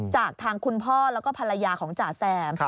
จากทางคุณพ่อแล้วก็ภรรยาของจ่าแซม